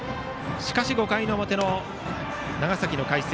しかし５回の表の長崎の海星。